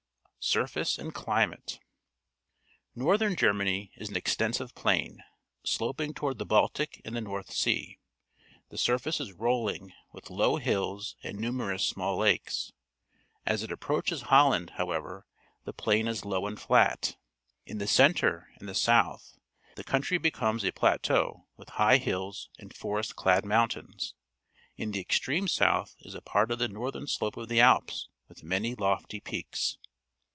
Surface and Climate. — No rthern Germany is an extensive plain, sloping toward the Baltic and the North Sea. The surface is r olling , with low_hills and numei'ous small lakes. As it approaches Holland, however, the plain is low and flat. In the centre and the south the country becomes a plateau with high hills and forest clad moinitains. In the extreme south is a part of the northern slope of the .Alps, with manj* lofty peaks.